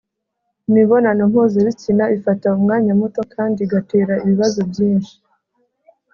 imibonano mpuzabitsina ifata umwanya muto kandi igatera ibibazo byinshi